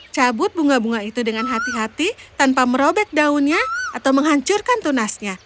cabut bunga bunga itu dengan hati hati tanpa merobek daunnya atau menghancurkan tunasnya